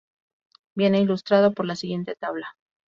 Viene ilustrado por la siguiente tabla.